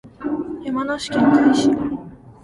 山梨県甲斐市